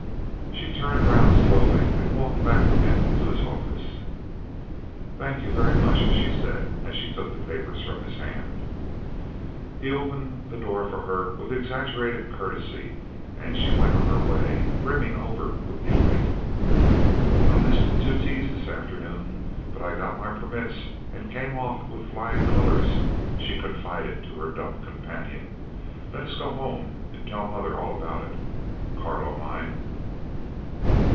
She turned round slowly and walked back with him to his office. "Thank you very much," she said as she took the papers from his hand. He opened the door for her with exaggerated courtesy, and she went on her way, brimming over with delight. "I missed two teas this afternoon, but I got my permits and came off with flying colours," she confided to her dumb companion. "Let us go home and tell the mother all about it, Carlo mine."